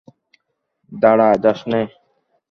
দাঁড়া, যাসনে।